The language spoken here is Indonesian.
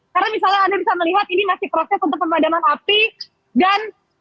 karena misalnya anda bisa melihat ini masih proses untuk pemadaman api dan